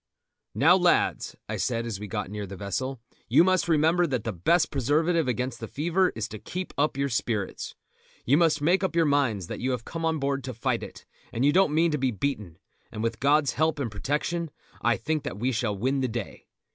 "Now, lads," I said as we got near the vessel, "you must remember that the best preservative against the fever is to keep up your spirits. You must make up your minds that you have come on board to fight it, and you don't mean to be beaten, and with God's help and protection I think that we shall win the day.